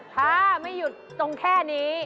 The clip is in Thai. ถ้าไม่หยุดตรงแค่นี้